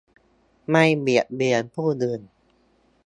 ไม่เบียดเบียนผู้อื่น